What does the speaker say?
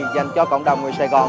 dành cho cộng đồng người sài gòn